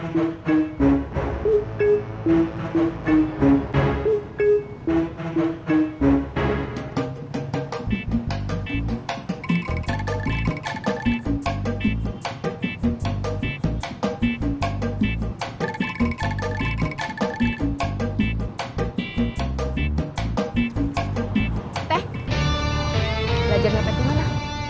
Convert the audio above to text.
belajar nepet gimana